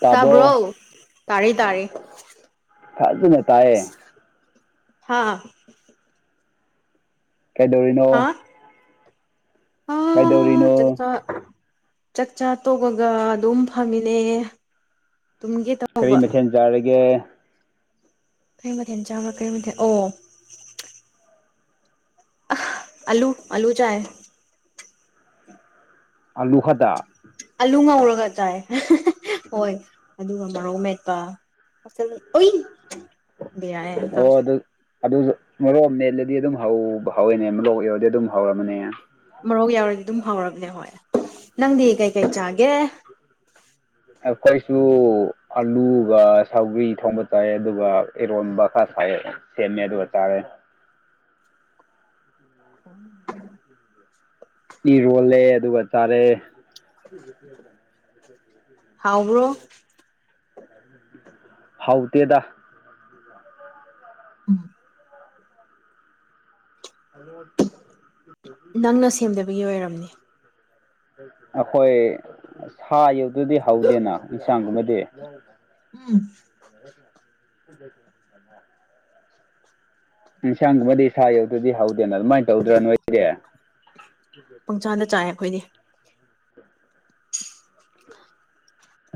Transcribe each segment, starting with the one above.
ꯇꯥꯕ꯭ꯔꯣ ꯆꯥꯕ꯭ꯔꯣ ꯇꯥꯔꯦ ꯇꯥꯔꯦ ꯀꯖꯅꯦ ꯇꯌꯦ ꯍꯥꯥ ꯀꯩꯗꯧꯔꯤꯅꯣ ꯀꯩꯗꯧꯔꯤꯅꯣ [unintelligible] ꯆꯥꯛꯆꯥꯥ ꯇꯣꯛꯑꯒ ꯑꯗꯨꯝ ꯐꯝꯃꯤꯅꯦ ꯇꯨꯝꯒꯤꯦ ꯇ ꯀꯔꯤ ꯃꯊꯦꯜ ꯆꯥꯔꯒꯦ ꯈꯔ ꯃꯊꯦꯜ ꯆꯥꯝꯃꯥ ꯀꯔꯤ ꯃꯊꯦꯜ ꯑꯣ ꯑ ꯑꯂꯨ ꯑꯂꯨ ꯆꯥꯑ ꯑꯜꯂꯨ ꯍꯗꯥ ꯑꯂꯨ ꯉꯧꯔꯒ ꯇꯥꯏ ꯍꯣꯏ ꯑꯗꯨꯒ ꯃꯔꯣꯛ ꯃꯦꯠꯄ [unintelligible] ꯕꯦꯔꯥꯅꯦ ꯑꯣ ꯇꯧꯔꯤꯁꯦ ꯑꯗꯨ ꯑꯗꯨꯁꯨ ꯃꯔꯣꯔꯣꯛ ꯃꯦꯟꯂꯗꯤ ꯑꯗꯨꯝ ꯍꯧꯕ ꯍꯧꯋꯦꯅꯦ ꯃꯔꯣꯔꯣꯛ ꯌꯔꯗꯤ ꯑꯗꯨꯝ ꯍꯧꯔꯝꯃꯅꯦ ꯃꯣꯔꯣꯛ ꯌꯥꯎꯔꯗꯤ ꯑꯗꯨꯝ ꯐꯥꯎꯔꯕꯅꯦ ꯍꯣꯏ ꯅꯪꯗꯤ ꯀꯩꯀꯩ ꯆꯥꯒꯦ ꯑꯩꯈꯣꯏꯁꯨ ꯑꯂꯨꯒ ꯁꯧꯒꯔꯤ ꯊꯣꯡꯕ ꯆꯥꯏ ꯑꯗꯨꯒ ꯏꯔꯣꯟꯕ ꯈꯔ ꯁꯥꯏꯑ ꯁꯦꯝꯦꯃꯦ ꯑꯗꯨ ꯑꯇꯥꯔꯦ ꯑ ꯏꯔꯣꯜꯂꯦ ꯑꯗꯨꯒ ꯆꯥꯔꯦ ꯍꯥꯎꯕ꯭ꯔꯣ ꯍꯥꯎ ꯇꯗ ꯎꯝ ꯑ ꯅꯪꯅ ꯁꯦꯝꯗꯕꯒꯤ ꯑꯣꯏꯔꯝꯅꯦ ꯑꯩꯈꯣꯏ ꯁꯥ ꯌꯧꯗꯗꯤ ꯍꯧꯗꯦꯅ ꯌꯦꯟꯁꯥꯡꯒꯨꯝꯕꯗꯤ ꯎꯝ ꯎꯝꯦ ꯑꯣ ꯏꯟꯁꯥꯡꯒꯨꯝꯕꯗꯤ ꯏꯁꯥ ꯌꯧꯗ꯭ꯔꯗꯤ ꯍꯧꯗꯦꯅ ꯑꯗꯨꯃꯥꯏꯅ ꯇꯧꯗ꯭ꯔꯥ ꯅꯣꯏꯗꯤ ꯄꯪꯁꯥꯗ ꯆꯥꯏꯌꯦ ꯑꯩꯈꯣꯏꯗꯤ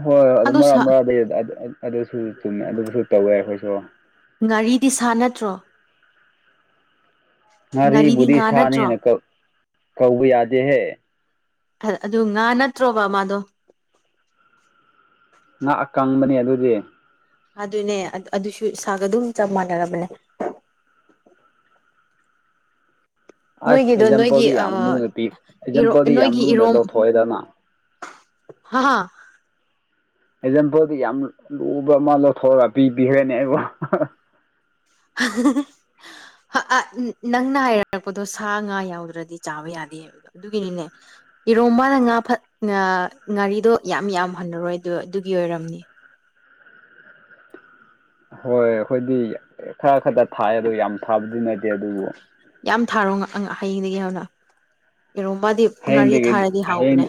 ꯍꯣꯏ ꯍꯣꯏ ꯑꯗꯨ ꯑꯗꯣ ꯃꯔꯥ ꯁꯥ ꯃꯔꯛꯗꯩ ꯑꯗꯨꯁꯨ ꯆꯨꯝꯃꯦ ꯑꯗꯨꯁꯨ ꯇꯧꯋꯦ ꯑꯩꯈꯣꯏꯁꯨ ꯉꯥꯔꯤꯗꯤ ꯁꯥ ꯅꯠꯇ꯭ꯔꯣ ꯉꯥꯔꯤꯕ ꯉꯥꯔꯤꯗꯤ ꯗꯤ ꯉꯥ ꯅꯠꯇ꯭ꯔꯣ ꯁꯥꯅꯦꯦꯅ ꯀꯧꯕ ꯌꯥꯗꯦꯍꯦ ꯑꯗꯨ ꯉꯥ ꯅꯠꯇ꯭ꯔꯣꯕ ꯃꯥꯗꯣ ꯉꯍꯥꯛ ꯑꯀꯪꯕꯅꯦ ꯑꯗꯨꯗꯤ ꯑꯗꯨꯅꯦ ꯑꯗꯨꯁꯨ ꯏꯁꯒ ꯑꯗꯨꯝ ꯆꯞ ꯃꯥꯟꯅꯔꯕꯅꯦ ꯑꯁ ꯅꯣꯏꯒꯤꯗꯣ ꯑꯦꯛꯖꯥꯝꯄꯜꯗꯤ ꯌꯥꯝ ꯂꯨꯅ ꯄꯤ ꯅꯣꯏꯒꯤꯔ ꯑꯦꯛꯖꯥꯝꯄꯜꯗꯤ ꯌꯥꯝ ꯅꯣꯏꯒꯤ ꯂꯨꯅ ꯏꯔꯣꯝ ꯂꯧꯊꯣꯛꯑꯦꯗꯅ ꯍꯥ ꯍꯥ ꯑꯦꯛꯖꯥꯝꯄꯜꯗꯤ ꯌꯥꯝ ꯂꯨꯕ ꯑꯃ ꯂꯧꯊꯣꯛꯑꯒ ꯄꯤꯕꯤꯈ꯭ꯔꯅꯦꯕ ꯑ ꯑ ꯅꯪꯅ ꯍꯥꯏꯔꯛꯔꯛꯄꯗꯣ ꯁꯥ ꯉꯥ ꯌꯥꯎꯗ꯭ꯔꯗꯤ ꯆꯥꯕ ꯌꯥꯗꯦꯕ ꯑꯗꯨꯒꯤꯅꯤꯅꯦ ꯏꯔꯣꯕꯅ ꯉꯥ ꯐ ꯉꯥꯔꯤꯗꯣ ꯌꯥꯝ ꯌꯥꯝ ꯍꯜꯟꯅꯔꯣꯏ ꯑꯗꯨ ꯑꯗꯨꯒꯤ ꯑꯣꯏꯔꯝꯅꯤ ꯍꯣꯏ ꯑꯩꯈꯣꯏꯗꯤ ꯈꯔ ꯈꯛꯇ ꯊꯥꯏ ꯑꯗꯨꯣ ꯌꯥꯝ ꯊꯥꯕꯗꯤ ꯅꯠꯇꯦ ꯑꯗꯨꯕꯨ ꯌꯥꯝ ꯊꯥꯔꯣ ꯍꯌꯦꯡꯗꯒꯤ ꯍꯧꯅ ꯌꯦꯔꯣꯝꯄꯥꯗꯤ ꯉꯥꯔꯤ ꯊꯥꯔꯗꯤ ꯍꯥꯎꯕꯅꯦ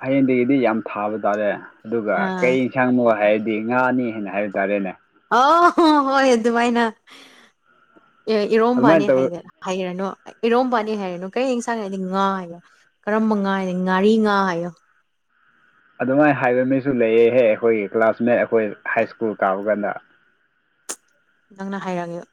ꯍꯌꯦꯗꯒꯤꯗꯤ ꯌꯥꯝ ꯊꯥꯕ ꯇꯥꯔꯦ ꯑꯗꯨꯒ ꯑꯥ ꯀꯩ ꯌꯦꯟꯁꯥꯡ ꯅꯨꯡꯋꯥꯏ ꯍꯥꯏꯔꯗꯤ ꯉꯥꯅꯤ ꯍꯥꯏꯅ ꯍꯥꯏꯕ ꯇꯥꯔꯦꯅꯦ ꯑ ꯍꯣꯏ ꯍꯣꯏ ꯑꯗꯨꯃꯥꯏꯅ ꯑꯗꯨꯃꯥꯏꯅ ꯏꯔꯣꯝꯕꯅꯤ ꯇꯧ ꯍꯥꯏꯗꯅ ꯍꯩꯔꯅꯨ ꯏꯔꯣꯝꯝꯕꯅꯤ ꯍꯩꯔꯅꯨ ꯀꯔꯤ ꯌꯦꯟꯁꯥꯡꯅꯗꯤ ꯉꯥꯏꯕ ꯀꯔꯝꯕ ꯉꯥ ꯍꯥꯏꯅ ꯉꯥꯔꯤ ꯉꯥ ꯍꯥꯏꯌꯣ ꯑꯗꯨꯃꯥꯏꯅ ꯍꯥꯏꯕ ꯃꯤꯁꯨ ꯂꯩꯑꯍꯦ ꯑꯩꯈꯣꯏꯒꯤ ꯀ꯭ꯂꯥꯁꯃꯦꯠ ꯑꯩꯈꯣꯏ ꯍꯥꯏ ꯁ꯭ꯀꯨꯜ ꯀꯥꯕ ꯀꯥꯟꯗ ꯅꯪꯅ ꯍꯥꯏꯔꯛꯑꯒꯦ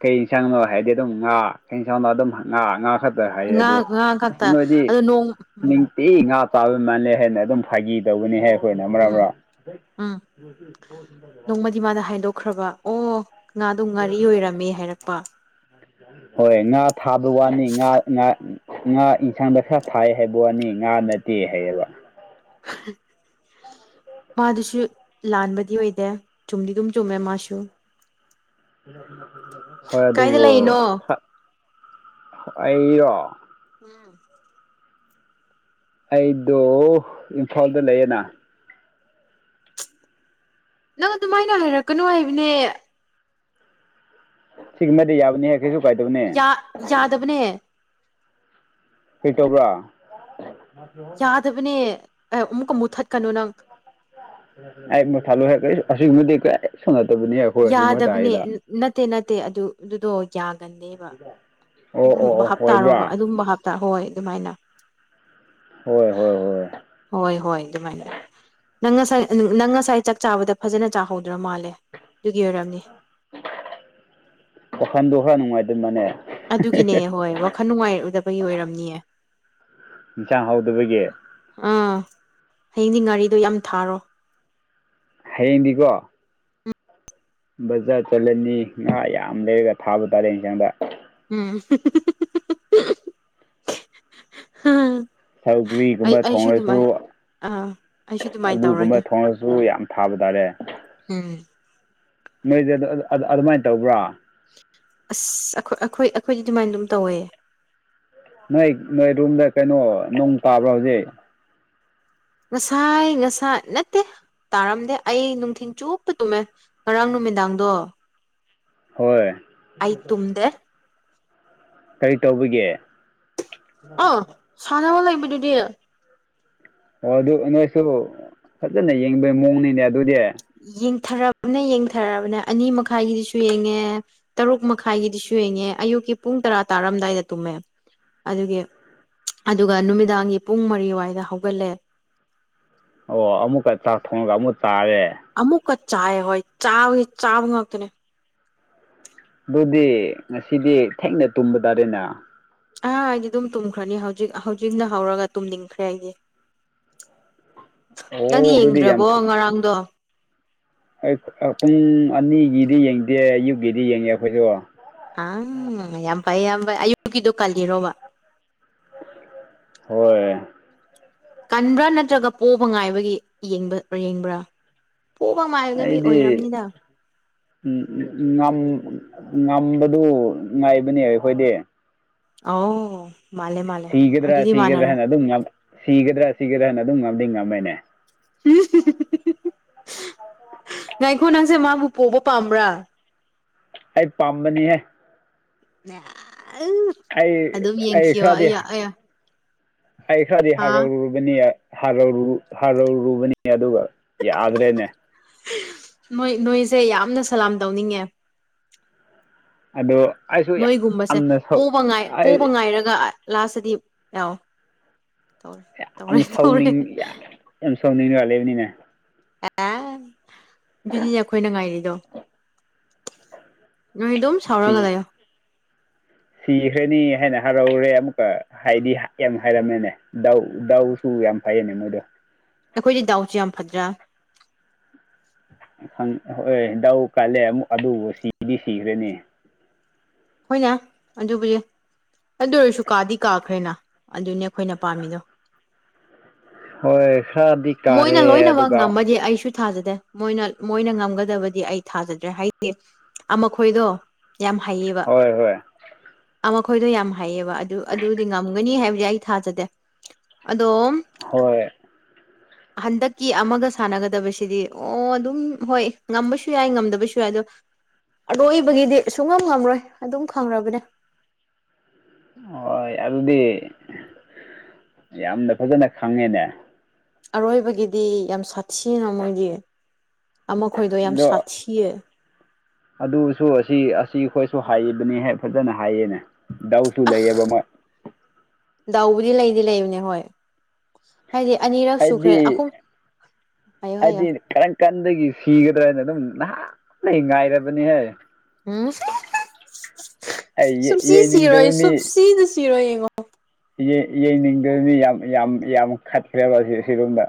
ꯀꯩ ꯌꯦꯟꯁꯥꯡꯅꯣ ꯍꯥꯏꯗꯤ ꯑꯗꯨꯝ ꯉꯥ ꯀꯩ ꯌꯦꯟꯁꯥꯡꯅꯣ ꯑꯗꯨꯝ ꯉꯥ ꯉꯥ ꯈꯛꯇ ꯑꯗꯨ ꯍꯥꯏꯌꯦ ꯉꯥ ꯑꯗꯨ ꯉꯥ ꯑꯁ ꯈꯛꯇ ꯅꯣꯏꯗꯤ ꯑꯗꯣ ꯅꯣꯡ ꯎꯝ ꯏ ꯉꯥ ꯆꯥꯕꯩ ꯃꯥꯜꯂꯦ ꯍꯥꯏꯅ ꯑꯗꯨꯝ ꯐꯥꯒꯤ ꯇꯧꯕꯅꯤ ꯍꯥꯏ ꯑꯩꯈꯣꯏꯅ ꯃꯔꯥ ꯃꯔꯥ ꯎꯝ ꯏ ꯃꯥꯗ ꯍꯥꯏꯗꯣꯛꯈ꯭ꯔꯕ ꯑꯣ ꯉꯥꯗꯨ ꯉꯥꯔꯤ ꯑꯣꯏꯔꯝꯃꯦ ꯍꯥꯏꯔꯛꯄ ꯍꯣꯏ ꯉꯥ ꯊꯥꯕ ꯋꯥꯅꯤ ꯉꯥ ꯉꯥ ꯉꯥ ꯌꯦꯟꯁꯥꯡꯗ ꯈꯔ ꯐꯥꯏ ꯍꯥꯏꯕ ꯋꯥꯅꯤ ꯉꯥ ꯅꯠꯇꯦ ꯍꯥꯏꯌꯦꯕ [unintelligible] ꯃꯥꯗꯨꯁꯨ ꯂꯥꯟꯕꯗꯤ ꯑꯣꯏꯗꯦ ꯆꯨꯝꯗꯤ ꯑꯗꯨꯝ ꯆꯨꯝꯃꯦ ꯃꯥꯁꯨ ꯍꯣꯏ ꯀꯥꯏꯗ ꯑꯗꯨꯕꯨ ꯂꯩꯔꯤꯅꯣ ꯑꯩꯔꯣ ꯎꯝ ꯑꯩꯗꯣ ꯏꯝꯐꯥꯜꯗ ꯂꯩꯌꯦꯅ ꯅꯪ ꯑꯗꯨꯃꯥꯏꯅ ꯍꯥꯏꯔꯛꯀꯅꯨ ꯍꯥꯏꯕꯅꯦ ꯁꯤꯒ ꯃꯃꯦꯗꯤ ꯌꯥꯕꯅꯅꯦꯦꯛ ꯀꯁꯨ ꯀꯥꯏꯗꯅꯅꯤ ꯌꯥ ꯌꯥꯗꯕꯅꯦ ꯀꯩꯇꯧꯕ꯭ꯔꯥ ꯌꯥꯗꯕꯅꯦ ꯑꯦ ꯑꯃꯨꯛꯀ ꯃꯨꯊꯠꯀꯅꯨ ꯅꯪ ꯑꯩ ꯃ ꯊꯂꯨ ꯑꯁꯤꯒꯨꯝꯕꯗꯤ ꯀ ꯁꯥꯟꯅꯗꯕꯅꯤ ꯑꯩꯈꯣꯏ ꯌꯥꯗꯕꯅꯦ ꯑꯁꯤꯒꯨꯝꯕꯇꯥꯏꯗ ꯅꯠꯇꯦ ꯅꯠꯇꯦ ꯑꯗꯨ ꯑꯗꯨꯗꯣ ꯌꯥꯒꯟꯅꯦꯕ ꯑꯣ ꯑꯣ ꯑꯗꯨꯝꯕ ꯑꯣ ꯑꯣꯏꯕ꯭ꯔꯥ ꯍꯥꯞꯇꯥꯔꯣꯔꯕ ꯑꯗꯨꯝꯕ ꯍꯥꯞꯇꯥ ꯍꯣꯏ ꯑꯗꯨꯃꯥꯏꯅ ꯍꯣꯏ ꯍꯣꯏ ꯍꯣꯏ ꯍꯣꯏ ꯍꯣꯏ ꯑꯗꯨꯃꯥꯏꯅ ꯅꯪ ꯉꯁꯥꯏ ꯅꯪ ꯉꯁꯥꯏ ꯆꯥꯛ ꯆꯥꯕꯗ ꯐꯖꯅ ꯆꯥꯍꯧꯗ꯭ꯔꯣ ꯃꯥꯜꯂꯦ ꯑꯗꯨꯒꯤ ꯑꯣꯏꯔꯝꯅꯤ ꯋꯥꯈꯜꯗꯣ ꯈꯔ ꯅꯨꯡꯉꯥꯏꯗꯕꯅꯦ ꯑꯗꯨꯒꯤꯅꯦ ꯍꯣꯏ ꯋꯥꯈꯜ ꯅꯨꯡꯉꯥꯏꯔꯗꯕꯒꯤ ꯑꯣꯏꯔꯝꯅꯤꯑꯦ ꯌꯦꯟꯁꯥꯡ ꯍꯧꯗꯕꯒꯤ ꯑꯥ ꯍꯌꯦꯡꯗꯤ ꯉꯥꯔꯤꯗꯣ ꯌꯥꯝ ꯊꯥꯔꯣ ꯍꯌꯦꯡꯗꯤꯀꯣ ꯕꯖꯥꯔ ꯆꯠꯂꯅꯤ ꯉꯥ ꯌꯥꯝ ꯂꯩꯔꯒ ꯊꯥꯕ ꯇꯥꯔꯦ ꯌꯦꯟꯁꯥꯡꯗ ꯎꯝ ꯍꯥ ꯁꯧꯒ꯭ꯔꯤ ꯒꯨꯝꯕ ꯊꯣꯡꯑꯥꯁꯨ ꯑꯥ ꯑꯩꯁꯨ ꯑꯗꯨꯃꯥꯏꯅ ꯑꯗꯨꯒꯨꯝꯕ ꯇꯧꯔꯒꯦ ꯊꯣꯡꯂꯁꯨ ꯌꯥꯝ ꯊꯥꯕ ꯇꯥꯔꯦ ꯎꯝ ꯃꯣꯏꯗꯤ ꯑꯗꯨꯃꯥꯏꯅ ꯇꯧꯕ꯭ꯔꯥ ꯑꯁ ꯑꯩꯈꯣꯏ ꯑꯩꯈꯣꯏ ꯑꯩꯈꯣꯏꯗꯤ ꯑꯗꯨꯃꯥꯏꯅ ꯑꯗꯨꯝ ꯇꯧꯋꯦ ꯅꯣꯏ ꯅꯣꯏ ꯔꯨꯝꯗ ꯀꯩꯅꯣ ꯅꯣꯡ ꯇꯥꯕ꯭ꯔꯥ ꯍꯧꯖꯤꯛ ꯉꯁꯥꯏ ꯉꯁꯥꯏ ꯅꯠꯇꯦ ꯇꯥꯔꯝꯗꯦ ꯑꯩ ꯅꯨꯡꯊꯤꯟ ꯆꯨꯞꯄꯗꯨꯃꯦ ꯉꯔꯥꯡ ꯅꯨꯃꯤꯗꯥꯡꯗꯣ ꯍꯣꯏ ꯑꯩ ꯇꯨꯝꯗꯦ ꯀꯔꯤ ꯇꯧꯕꯒꯦ [unintelligible] ꯑꯣ ꯑꯗꯨ ꯅꯣꯏꯁꯨ ꯐꯖꯅ ꯌꯦꯡꯕꯩ ꯃꯑꯣꯡꯅꯤꯅꯦ ꯑꯗꯨꯗꯤ ꯌꯦꯡꯊꯔꯕꯅ ꯌꯦꯡꯊꯑꯔꯕꯅꯦ ꯑꯅꯤ ꯃꯈꯥꯏꯒꯤꯗꯨꯁꯨ ꯌꯦꯡꯉꯦ ꯇꯔꯨꯛ ꯃꯈꯥꯏꯒꯤꯗꯤꯁꯨ ꯌꯦꯡꯉꯦ ꯑꯌꯨꯛꯀꯤ ꯄꯨꯡ ꯇꯔꯥ ꯇꯥꯔꯝꯗꯥꯏꯗ ꯇꯨꯝꯃꯦ ꯑꯗꯨꯒꯤ ꯑꯗꯨꯒ ꯅꯨꯃꯤꯗꯥꯡꯒꯤ ꯄꯨꯡ ꯃꯔꯤꯋꯥꯏꯗ ꯍꯧꯒꯠꯂꯦ ꯑꯣ ꯑꯃꯨꯛꯀ ꯆꯥꯛ ꯊꯣꯡꯉꯒ ꯑꯃꯨꯛ ꯇꯥꯔꯦ ꯑꯃꯨꯛꯀ ꯆꯥꯏ ꯍꯣꯏ ꯆꯥ ꯆꯥꯕ ꯉꯥꯛꯇꯅꯦ ꯑꯗꯨꯗꯤ ꯉꯁꯤꯗꯤ ꯊꯦꯡꯅ ꯇꯨꯝꯕ ꯇꯥꯔꯦꯅꯦ ꯑꯥ ꯑꯩꯗꯤ ꯑꯗꯨꯝ ꯇꯨꯝꯈ꯭ꯔꯅꯤ ꯍꯧꯖꯤꯛ ꯍꯧꯖꯤꯛꯅ ꯍꯧꯔꯒ ꯇꯨꯝꯅꯤꯡꯈ꯭ꯔꯦ ꯑꯩꯗꯤ ꯅꯪ ꯑꯣ ꯑꯗꯨꯗꯤ ꯌꯥꯝ ꯌꯦꯡꯗ꯭ꯔꯕꯣ ꯊꯨ ꯉꯔꯥꯡꯗꯣ ꯄꯨꯡ ꯑꯅꯤꯒꯤꯗꯤ ꯌꯦꯡꯗꯦ ꯑꯌꯨꯛꯀꯤꯗꯤ ꯌꯦꯡꯉꯦ ꯑꯩꯈꯣꯏꯗꯣ ꯑꯪ ꯌꯥꯝ ꯐꯩ ꯌꯥꯝ ꯐꯩ ꯑꯌꯨꯛꯀꯤꯗꯣ ꯀꯜꯂꯤꯔꯣꯕ ꯍꯣꯏ ꯀꯟꯕ꯭ꯔꯥ ꯅꯠꯇ꯭ꯔꯒ ꯄꯣꯛꯕ ꯉꯥꯏꯕꯒꯤ ꯌꯦꯕ ꯌꯦꯡꯕ꯭ꯔꯥ ꯄꯣꯛꯕ ꯃꯥꯏꯕꯒ ꯃꯤ ꯑꯣꯏꯔꯔꯕꯝꯅꯤꯅ [unintelligible] ꯎ ꯉꯝꯕꯗꯨ ꯉꯥꯏꯕꯅꯦꯕ ꯑꯩꯈꯣꯏꯗꯤ ꯑꯣ ꯃꯥꯂꯦ ꯃꯥꯂꯦ ꯁꯤꯒꯗ꯭ꯔꯥ ꯁꯤꯒꯗ꯭ꯔꯥ ꯍꯥꯏꯅ ꯑꯗꯨꯝ ꯁꯤꯒꯗ꯭ꯔꯥ ꯁꯤꯒꯗ꯭ꯔꯥ ꯍꯥꯏꯅ ꯑꯗꯨꯝ ꯉꯝꯗꯤ ꯉꯝꯃꯦꯅꯦ ꯉꯥꯏꯈꯣ ꯉꯥꯡꯁꯦ ꯃꯥꯕꯨ ꯄꯣꯕ ꯄꯥꯝꯕ꯭ꯔꯥ ꯑꯩ ꯄꯥꯝꯕꯅꯤꯍꯦ [unintelligible] ꯑꯗꯨꯝ ꯑꯩ-ꯑꯩ ꯌꯦꯡꯈꯤꯌꯣ ꯈꯔꯗꯤ ꯑꯩꯌꯥ ꯑꯩꯌꯥ ꯑꯩ ꯈꯔꯗꯤ [unintelligible] [unintelligible] ꯍꯥ ꯍꯔꯧꯔꯨ ꯍꯔꯧꯔꯨꯕꯅꯤ ꯑꯗꯨꯒ ꯌꯥꯗ꯭ꯔꯦꯅꯦ ꯅꯣꯏ ꯅꯣꯏꯁꯦ ꯌꯥꯝꯅ ꯁꯂꯥꯝ ꯇꯧꯅꯤꯡꯉꯦ ꯑꯗꯣ ꯑꯁ ꯅꯣꯏꯒꯨꯝꯕꯁꯦ ꯄꯣꯕ ꯉꯏ ꯄꯣꯕ ꯉꯥꯏꯔꯒ ꯂꯥꯁꯇꯗꯤ [unintelligible] ꯇꯧꯔꯦ ꯌꯥꯝ ꯇꯧꯔꯦ ꯇꯧꯔꯦ ꯁꯥꯎꯅꯤꯡ ꯌꯥꯝ ꯌꯥꯝ ꯁꯥꯎꯅꯤꯡꯔꯒ ꯂꯩꯕꯅꯤꯅꯦ ꯑꯦ ꯑꯗꯨꯅꯤꯅꯦ ꯑꯩꯈꯣꯏꯅ ꯉꯥꯏꯔꯤꯗꯣ ꯅꯣꯏ ꯑꯗꯨꯨꯝ ꯁꯥꯎꯔꯒ ꯁꯤ ꯂꯩꯎ ꯁꯤꯈ꯭ꯔꯅꯤ ꯍꯥꯏꯅ ꯍꯔꯥꯎꯔꯦ ꯑꯃꯨꯛꯀ ꯍꯥꯏꯗꯤ ꯌꯥꯝ ꯍꯥꯏꯔꯝꯃꯦꯅꯦ ꯗꯥꯎ ꯗꯥꯎꯁꯨ ꯌꯥꯝ ꯐꯩꯌꯦꯅꯦ ꯃꯣꯏꯗꯣ ꯑꯩꯈꯣꯏꯗꯤ ꯗꯥꯎꯁꯦ ꯌꯥꯝ ꯐꯗ꯭ꯔꯥ ꯍꯣꯏ ꯗꯥꯎ ꯀꯜꯂꯦ ꯑꯃꯨꯛ ꯑꯗꯨꯕꯨ ꯁꯤꯗꯤ ꯁꯤꯈ꯭ꯔꯅꯤ ꯑꯩꯈꯣꯏꯅꯦ ꯑꯗꯨꯕꯨꯗꯤ ꯑꯗꯨ ꯑꯣꯏꯔꯁꯨ ꯀꯥꯗꯤ ꯀꯥꯈ꯭ꯔꯦꯅ ꯑꯗꯨꯅꯦ ꯑꯩꯈꯣꯏꯅ ꯄꯥꯝꯃꯤꯗꯣ ꯍꯣꯏ ꯈꯔꯗꯤ ꯃꯣꯏꯅ ꯀꯥꯔꯦ ꯂꯣꯏꯅꯃꯛ ꯑꯗꯨꯒ ꯉꯝꯃꯗꯤ ꯑꯩꯁꯨ ꯊꯥꯖꯗꯦ ꯃꯣꯏꯅ ꯃꯣꯏꯅ ꯉꯝꯒꯗꯕꯗꯤ ꯑꯩ ꯊꯥꯖꯗ꯭ꯔꯦ ꯍꯥꯏꯗꯤ ꯑꯃ ꯈꯣꯏꯗꯣ ꯌꯥꯝ ꯍꯩꯌꯦꯕ ꯍꯣꯏ ꯍꯣꯏ ꯑꯃ ꯈꯣꯏꯗꯣ ꯌꯥꯝ ꯍꯩꯌꯦꯕ ꯑꯗꯨ ꯑꯗꯨꯗꯤ ꯉꯝꯒꯅꯤ ꯍꯥꯏꯕꯗꯤ ꯑꯩ ꯊꯥꯖꯗꯦ ꯑꯗꯣꯝ ꯍꯣꯏ [unintelligible] ꯍꯟꯗꯛꯀꯤ ꯑꯃꯒ ꯁꯥꯟꯅꯒꯗꯕꯁꯤꯗꯤ ꯑꯣ ꯑꯗꯨꯝ ꯍꯣꯏ ꯉꯝꯕꯁꯨ ꯌꯥꯏ ꯉꯝꯗꯕꯁꯨ ꯌꯥꯏ ꯑꯗꯣ ꯑꯔꯣꯏꯕꯒꯤꯗꯤ ꯁꯨꯡꯉꯝ ꯉꯝꯔꯣꯏ ꯑꯗꯨꯝ ꯈꯪꯔꯕꯅꯦ ꯍꯣꯏ ꯑꯗꯨꯗꯤ ꯌꯥꯝꯅ ꯐꯖꯅ ꯈꯪꯉꯦꯅꯦ ꯑꯔꯣꯏꯕꯒꯤꯗꯤ ꯌꯥꯝ ꯁꯥꯊꯤꯅ ꯃꯣꯏꯗꯤ ꯑꯃꯈꯣꯏꯗꯣ ꯌꯥꯝ ꯑꯗꯣ ꯁꯥꯊꯤꯌꯦ ꯑꯗꯨꯁꯨ ꯑꯁꯤ ꯑꯁꯤ ꯑꯩꯈꯣꯏꯁꯨ ꯍꯥꯏꯕꯅꯦ ꯐꯖꯅ ꯍꯥꯏꯌꯦꯅꯦ ꯗꯥꯎꯁꯨ ꯂꯩꯑꯕ ꯃꯣꯏ ꯗꯥꯎꯕꯨꯗꯤ ꯂꯩꯗꯤ ꯂꯩꯕꯅꯦ ꯍꯣꯏ ꯍꯥꯏꯗꯤ ꯑꯅꯤꯔꯛ ꯁꯨꯈ꯭ꯔꯦ ꯑꯩꯗꯤ ꯑꯍꯨꯝ ꯍꯥꯏꯌꯣ ꯍꯥꯏꯌꯣ ꯀꯟꯗꯒꯤ ꯁꯤꯒꯗ꯭ꯔꯅ ꯑꯗꯨꯝꯍ ꯉꯥꯏꯔꯕꯅꯦꯍꯦ ꯎꯝ [unintelligible] ꯑꯩ ꯁꯨꯞꯁꯤ ꯁꯤꯔꯣꯏ ꯌꯩꯅꯤꯡꯗꯕ ꯁꯨꯞꯁꯤꯖꯨ ꯁꯤꯔꯣꯏ ꯌꯦꯡꯉꯣ ꯀꯣ ꯌꯦꯡ ꯌꯦꯡꯅꯤꯡꯗꯅꯤ ꯌꯥꯝ ꯌꯥꯝ ꯌꯥꯝ ꯈꯠꯈ꯭ꯔꯦꯕ ꯑꯁꯤ ꯑꯁꯤꯔꯣꯝꯗ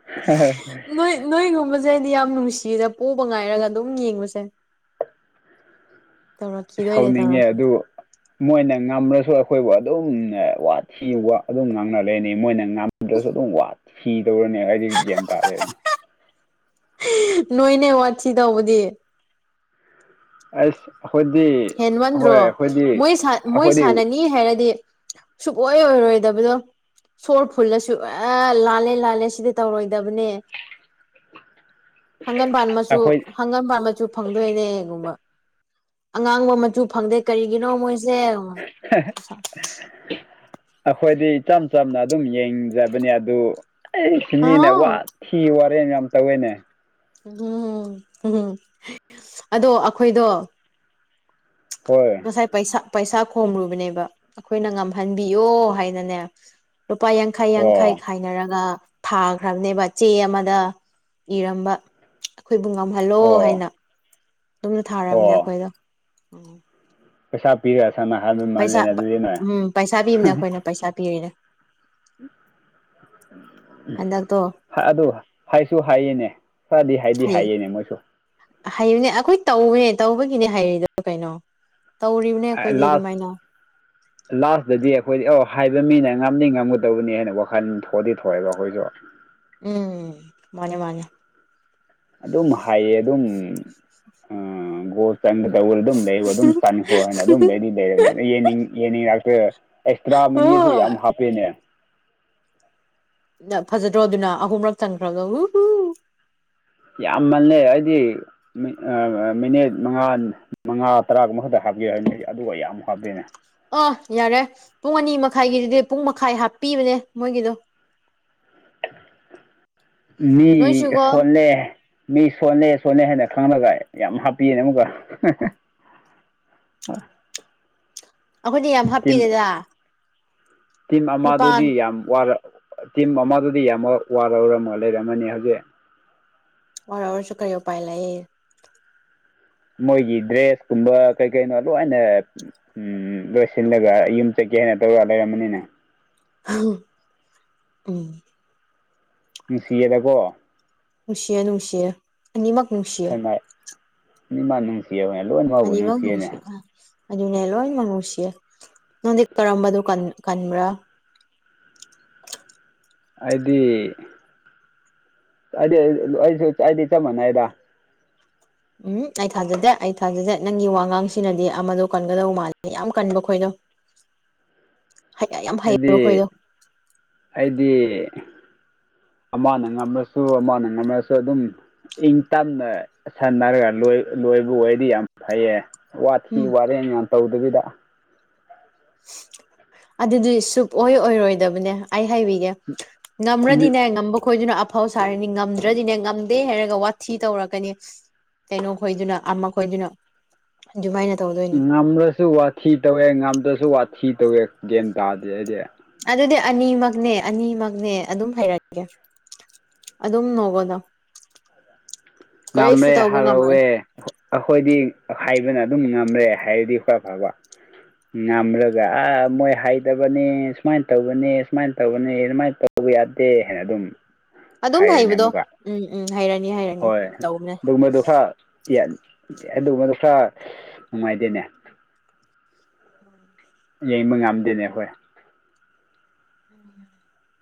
[unintelligible] ꯅꯣꯏ ꯅꯣꯏꯒꯨꯝꯕꯁꯦ ꯑꯩꯗꯤ ꯌꯥꯝ ꯅꯨꯡꯁꯤꯌꯦꯗ ꯄꯣꯕ ꯉꯥꯏꯔꯒ ꯑꯗꯨꯝ ꯌꯦꯡꯕꯁꯦ ꯇꯧꯔꯛꯈꯤꯗꯣꯏꯅꯦ ꯁꯧꯅꯤꯡꯉꯦ ꯇꯧꯔꯛꯈꯤ ꯑꯗꯨ ꯃꯣꯏꯅ ꯉꯝ꯭ꯔꯁꯨ ꯑꯩꯈꯣꯏꯕꯨ ꯑꯗꯨꯝ ꯋꯥꯊꯤ ꯋꯥ ꯑꯗꯨꯝ ꯉꯥꯡꯅꯔꯅꯤ ꯃꯣꯏꯅ ꯉꯝꯗ꯭ꯔꯁꯨ ꯑꯗꯨꯝ ꯋꯥ ꯐꯤꯗꯧꯔꯅꯦ ꯑꯩꯗꯤ ꯒ꯭ꯌꯥꯟ ꯇꯥꯗꯔꯅꯦ ꯅꯣꯏꯅꯦ ꯋꯥꯊꯤ ꯇꯧꯕꯗꯤ ꯑꯁ ꯈꯣꯏꯗꯤ ꯍꯦꯟꯃꯟꯗ꯭ꯔꯣ ꯃꯣꯏ ꯃꯣꯏ ꯑꯩꯈꯣꯏꯗꯤ ꯁꯥꯟꯅꯅꯤ ꯍꯥꯏꯔꯗꯤ ꯁꯨꯡꯛ ꯑꯣꯏꯔꯣꯏꯗꯕꯗꯣ ꯁꯣꯔ ꯐꯨꯜꯂꯁꯨ ꯑꯦ ꯂꯥꯜꯂꯦ ꯂꯥꯜꯂꯦ ꯁꯤꯗꯤ ꯇꯧꯔꯣꯏꯗꯕꯅꯦ ꯍꯪꯒꯟꯕꯥꯟ ꯃꯆꯨ ꯑꯩꯈꯣꯏ ꯍꯪꯒꯟꯕꯥꯟ ꯃꯆꯨ ꯐꯪꯗꯣꯏꯅꯦ ꯒꯨꯝꯕ ꯑꯉꯥꯡꯕ ꯃꯆꯨ ꯐꯪꯗꯦ ꯀꯔꯤꯒꯤꯅꯣ ꯃꯣꯏꯁꯦ [unintelligible] ꯑꯩꯈꯣꯏꯗꯤ ꯏꯆꯝ ꯆꯝꯅ ꯑꯗꯨꯝ ꯌꯦꯡꯖꯕꯅꯤ ꯑꯗꯨ ꯑꯩꯁ ꯍꯥ ꯃꯤꯅ ꯋꯥꯊꯤ ꯋꯥꯔꯦꯝ ꯌꯥꯝ ꯇꯧꯋꯦꯅꯦ [unintelligible] ꯑꯗꯣ ꯑꯩꯈꯣꯏꯗꯣ ꯍꯣꯏ ꯉꯁꯥꯏꯩꯁ ꯄꯩꯁꯥ ꯈꯣꯝꯔꯨꯕꯅꯦꯕ ꯑꯩꯈꯣꯏꯅ ꯉꯝꯍꯟꯕꯤꯌꯣ ꯍꯥꯏꯅꯅꯦ ꯂꯨꯄꯥ ꯌꯥꯡ ꯌꯥꯡꯈꯩ ꯌꯥꯡꯈꯩ ꯑꯣ ꯈꯥꯏꯅꯔꯒ ꯊꯥꯈ꯭ꯔꯕꯅꯦꯕ ꯆꯦ ꯑꯃꯗ ꯏꯔꯝꯕ ꯑꯩꯈꯣꯏꯕꯨ ꯉꯝꯍꯜꯂꯣ ꯑꯣ ꯍꯥꯏꯅ ꯑꯗꯨꯨꯝꯅ ꯊꯥꯔꯕꯅꯦ ꯑꯣ ꯑꯩꯈꯣꯏꯗꯣ ꯄꯩꯁꯥ ꯄꯤꯔꯦ ꯁꯝꯅ ꯍꯥꯟꯂꯨ ꯄꯩꯁꯥ ꯎꯝ ꯄꯩꯁꯥ ꯄꯤꯕꯅ ꯑꯩꯈꯣꯏꯅ ꯄꯩꯁꯥ ꯄꯤꯔꯤꯅꯦ ꯍꯟꯗꯛꯇꯣ ꯎ ꯑꯗꯨ ꯍꯥꯏꯁꯨ ꯍꯥꯏꯌꯦꯅꯦ ꯈꯔꯗꯤ ꯍꯥꯏꯗꯤ ꯍꯥꯏꯌꯦꯅꯦ ꯃꯣꯏꯁꯨ ꯍꯩꯅꯦ ꯑꯩꯈꯣꯏ ꯇꯧꯕꯅꯦ ꯇꯧꯕꯒꯤꯅꯦ ꯍꯩꯔꯤꯗ ꯀꯩꯅꯣ ꯇꯧꯔꯤꯕꯅꯦ ꯑꯩꯈꯣꯏꯗꯤ ꯂꯥꯁ ꯑꯗꯨꯃꯥꯏꯅ ꯂꯥꯁꯇꯗꯤ ꯑꯩꯈꯣꯏꯗꯤ ꯑꯧ ꯍꯥꯏꯕ ꯃꯤꯅ ꯉꯝꯗꯤ ꯉꯝꯒꯗꯧꯕꯅꯤ ꯍꯥꯏꯅ ꯋꯥꯈꯜ ꯊꯣꯛꯑꯗꯤ ꯊꯣꯛꯑꯦꯕ ꯑꯩꯈꯣꯏꯁꯨ ꯎꯝ ꯃꯥꯅꯦ ꯃꯥꯅꯦ ꯑꯗꯨꯝ ꯍꯥꯏꯌꯦ ꯑꯗꯨꯝ ꯒꯣ ꯆꯪꯒ ꯇꯧꯕ ꯑꯗꯨꯝ ꯂꯩꯕ ꯑꯗꯨꯝ ꯆꯟꯈ꯭ꯔꯣꯅ ꯑꯗꯨꯝ ꯂꯩꯗꯤ ꯂꯩꯔꯕꯅꯦ ꯑꯅꯤꯡ ꯌꯦꯡꯅꯤꯡꯉꯛꯇꯣꯏꯔꯥ ꯑꯦꯛꯁꯇ꯭ꯔꯥ ꯃꯅꯤꯁꯨ ꯍꯣꯏ ꯌꯥꯝ ꯍꯥꯞꯄꯦꯅꯦ ꯅ ꯐꯖꯗ꯭ꯔꯣ ꯑꯗꯨꯅ ꯑꯍꯨꯝꯔꯛ ꯆꯪꯈ꯭ꯔꯒ ꯎ ꯌꯥꯝꯃꯜꯂꯦ ꯍꯥꯏꯗꯤ ꯃꯤꯅꯤꯠ ꯃꯉꯥ ꯃꯉꯥ ꯇꯔꯥꯒ ꯃꯈꯗ ꯍꯥꯞꯀꯦ ꯍꯥꯏꯕꯅꯦ ꯑꯗꯨꯒ ꯌꯥꯝꯌꯥꯃꯨꯛ ꯍꯥꯞꯇꯦꯅꯦ ꯑꯥ ꯌꯥꯔꯦ ꯄꯨꯡ ꯑꯅꯤ ꯃꯈꯥꯏꯒꯤꯗꯨꯗꯤ ꯄꯨꯡ ꯃꯈꯥꯏ ꯍꯥꯞꯄꯤꯕꯅꯦ ꯃꯣꯏꯒꯤꯗꯣ ꯃꯤ ꯅꯣꯏꯁꯨꯀꯣ ꯁꯣꯜꯂꯦ ꯃꯤ ꯁꯣꯜꯂꯦ ꯁꯣꯜꯅꯦ ꯍꯥꯏꯅ ꯈꯪꯉꯒ ꯌꯥꯝ ꯍꯥꯞꯄꯤꯌꯦꯅꯦ ꯑꯃꯨꯛꯀ ꯑꯩꯈꯣꯏꯗꯤ ꯌꯥꯝ ꯇꯤꯝ ꯍꯥꯞꯄꯤꯔꯦꯗ ꯇꯤꯝ ꯑꯃꯗꯨꯗꯤ ꯌꯥꯝ ꯋꯔꯥ ꯇꯤꯝ ꯑꯃꯗꯨꯗꯤ ꯌꯥꯝ ꯋꯥꯔꯔ ꯂꯩꯔꯝꯃꯅꯤ ꯍꯧꯖꯤꯛ ꯋꯥꯔꯁꯨ ꯀꯔꯤ ꯎ ꯄꯥꯏ ꯂꯩꯌꯦ ꯃꯣꯏꯒꯤ ꯗ꯭ꯔꯦꯁ ꯀꯨꯝꯕ ꯀꯩ ꯀꯩꯅꯣ ꯂꯣꯏꯅ ꯎꯝ ꯂꯣꯏꯁꯤꯜꯂꯒ ꯌꯨꯝ ꯆꯠꯀꯦ ꯍꯥꯏꯅ ꯇꯧꯔ ꯂꯩꯔꯃꯅꯤꯅ ꯎꯝ ꯅꯨꯡꯁꯤꯌꯦꯗꯀꯣ ꯅꯨꯡꯁꯤꯌꯦ ꯅꯨꯡꯁꯤꯌꯦ ꯑꯅꯤꯃꯛ ꯅꯨꯡꯁꯤꯌꯦ ꯏ ꯃꯥ ꯅꯨꯡꯁꯤꯌꯦ ꯍꯅꯦ ꯂꯣꯏ ꯃꯛꯄꯨ ꯑꯅꯤꯃꯛ ꯅꯨꯡꯁꯤꯌꯦꯅꯦ ꯅꯨꯡꯁꯤ ꯑꯗꯨꯅꯦ ꯂꯣꯏ ꯉꯂꯨꯁꯤꯌꯦ ꯅꯪꯗꯤ ꯀꯥꯔꯝꯕꯗꯨ ꯀꯟꯕ꯭ꯔꯥ ꯍꯥꯏꯗꯤ ꯍꯥꯏꯗꯤ ꯑꯩꯁꯨ ꯑꯩꯗꯤ ꯆꯞ ꯃꯥꯟꯅꯩꯗ ꯎꯝ ꯑꯩ ꯊꯥꯖꯗꯦ ꯑꯩ ꯊꯥꯖꯗꯦ ꯅꯪꯒꯤ ꯋꯥꯉꯥꯡꯁꯤꯅꯗꯤ ꯑꯃꯗꯣ ꯀꯟꯒꯗꯧ ꯃꯥꯜꯂꯦ ꯌꯥꯝ ꯀꯟꯕ ꯈꯣꯏꯗꯣ [unintelligible] ꯍꯩꯕ ꯍꯥꯏꯗꯤ ꯈꯣꯏꯗꯣ ꯍꯥꯏꯗꯤ ꯑꯃꯅ ꯉꯝꯃꯁꯨ ꯑꯃꯅ ꯉꯝꯃꯁꯨ ꯑꯗꯨꯝ ꯏꯪ ꯇꯞꯅ ꯁꯟꯅꯔꯒ ꯂꯣꯏꯕ ꯑꯣꯏꯔꯗꯤ ꯌꯥꯝ ꯐꯩꯌꯦ ꯋꯥꯊꯤ ꯎꯝ ꯋꯥꯔꯦꯝ ꯌꯥꯝ ꯇꯧꯗꯕꯤꯗ ꯑꯗꯨꯗꯤ ꯁꯨꯛꯑꯣꯏ ꯑꯣꯏꯔꯣꯏꯗꯕꯅꯦ ꯑꯩ ꯍꯥꯏꯕꯤꯒꯦ ꯉꯝ꯭ꯔꯗꯤꯅꯦ ꯉꯝꯕ ꯈꯣꯏꯗꯨꯅ ꯑꯐꯧ ꯁꯥꯔꯅꯤ ꯉꯝꯗ꯭ꯔꯗꯤꯅꯦ ꯉꯝꯗꯦ ꯍꯥꯏꯔꯒ ꯋꯥꯊꯤ ꯇꯧꯔꯛꯀꯅꯤ ꯀꯩꯅꯣ ꯈꯣꯏꯗꯨꯅ ꯑꯃ ꯈꯣꯏꯗꯨꯅ ꯑꯗꯨꯃꯥꯏꯅ ꯇꯧꯗꯣꯏ ꯉꯝꯂꯁꯨ ꯋꯥꯊꯤ ꯇꯧꯋꯦ ꯉꯝꯗ꯭ꯔꯁꯨ ꯋꯥꯊꯤ ꯇꯧꯋꯦ ꯒꯦꯝ ꯇꯥꯗꯦ ꯑꯩꯗꯤ ꯑꯗꯨꯗꯤ ꯑꯅꯤꯃꯛꯅꯦ ꯑꯅꯤꯃꯛꯅꯦ ꯑꯗꯨꯝ ꯍꯥꯏꯔꯛꯀꯦ ꯑꯗꯨꯝ ꯅꯣꯡꯒꯗ ꯉꯝꯂꯦ ꯍꯔꯥꯎꯋꯦ ꯑꯩꯈꯣꯏꯗꯤ ꯍꯥꯏꯕꯅ ꯑꯗꯨꯝ ꯉꯝꯔꯦ ꯍꯥꯏꯔꯗꯤ ꯈꯔꯥ ꯐꯕ ꯉꯝꯂꯒ ꯑ ꯃꯣꯏ ꯍꯩꯗꯕꯅꯤ ꯁꯨꯃꯥꯏꯅ ꯇꯧꯕꯅꯤ ꯁꯨꯃꯥꯏꯅ ꯇꯧꯕꯅꯤ ꯑꯗꯨꯃꯥꯏꯅ ꯇꯧ ꯇꯧꯕ ꯌꯥꯗꯦ ꯍꯥꯏꯅ ꯑꯗꯨꯝ ꯑꯗꯨꯝ ꯍꯥꯏꯔꯅꯤ ꯍꯩꯕꯗꯣ ꯑꯃꯨꯛꯀ ꯎꯝ ꯎꯝ ꯍꯩꯔꯅꯤ ꯍꯥꯏꯔꯅꯤ ꯍꯣꯏ ꯑꯗꯨꯒꯨꯝꯕꯗꯣ ꯈꯔ [unintelligible] ꯑꯗꯨꯒꯨꯝꯕꯗꯣ ꯈꯔ ꯅꯨꯡꯉꯥꯏꯇꯦꯅꯦ꯫ ꯍꯣꯏ ꯌꯦꯡꯕ ꯉꯝꯗꯦꯅꯦ ꯑꯩꯈꯣꯏ꯫ [inaudible]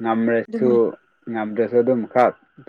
ꯉꯝꯔꯁꯨ ꯑꯗꯨꯃꯥꯏ ꯉꯝꯗ꯭ꯔꯁꯨ ꯑꯗꯨꯝ ꯈ꯭ꯔ